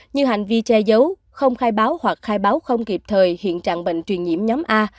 như hành vi che giấu không khai báo hoặc khai báo không kịp thời hiện trạng bệnh truyền nhiễm nhóm a